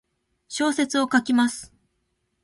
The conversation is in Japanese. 小説を書きます。